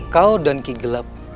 kau dan ki gelap